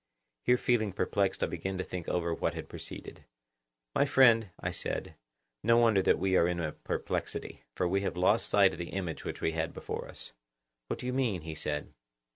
Here feeling perplexed I began to think over what had preceded.—My friend, I said, no wonder that we are in a perplexity; for we have lost sight of the image which we had before us. What do you mean? he said.